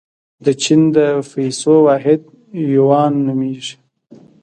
د چین د پیسو واحد یوان نومیږي.